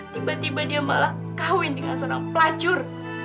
tiba tiba dia malah kawin dengan seorang pelacur